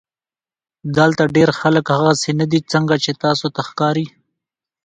دلته ډېر خلک هغسې نۀ دي څنګه چې تاسو ته ښکاري